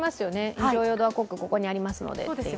非常ドアコック、ここにありますのでという。